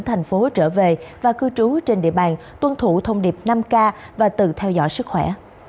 thành phố trở về và cư trú trên địa bàn tuân thủ thông điệp năm k và tự theo dõi sức khỏe